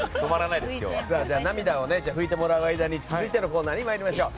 涙を拭いてもらう間に続いてのコーナーに参りましょう。